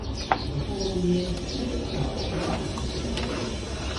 The following year, she took part in the African Games.